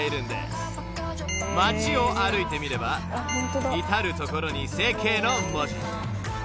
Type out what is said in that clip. ［街を歩いてみれば至る所に「整形」の文字］